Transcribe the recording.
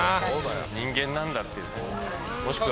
人間なんだっていう。